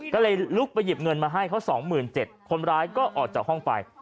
ก็เลยลุกไปหยิบเงินมาให้เขา๒๗๐๐คนร้ายก็ออกจากห้องไป